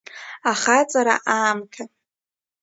Ахаҵара аамҭа…